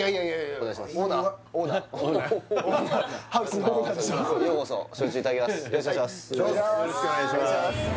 よろしくお願いします